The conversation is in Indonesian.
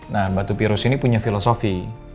nah batu virus ini punya filosofi